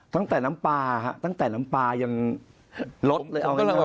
ตั้งแต่น้ำปลายังลดเลยเอาอย่างง่าย